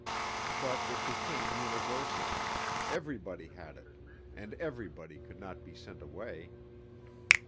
But it became universal; everybody had it, and everybody could not be sent away.